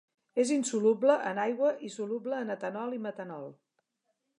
És insoluble en aigua i soluble en etanol i metanol.